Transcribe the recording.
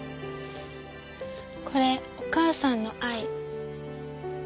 これお母さんの愛。